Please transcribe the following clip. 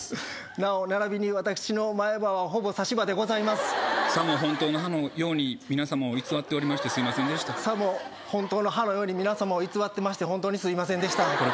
なおならびに私の前歯はほぼ差し歯でございますさも本当の歯のように皆さまを偽っておりましてすいませんでしたさも本当の歯のように皆さまを偽ってまして本当にすいませんでした